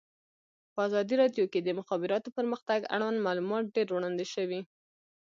په ازادي راډیو کې د د مخابراتو پرمختګ اړوند معلومات ډېر وړاندې شوي.